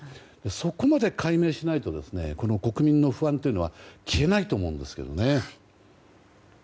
そこまで解明しないと国民の不安というのは消えないと思うんですけどね。